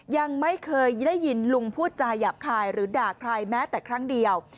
ยังไม่เคยได้ยินลุงพูดจาหยาบคายหรือด่าใครแม้แต่ครั้งเดียว